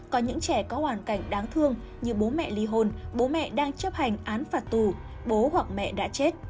có những trẻ có hoàn cảnh đáng thương như bố mẹ ly hôn bố mẹ đang chấp hành án phạt tù bố hoặc mẹ đã chết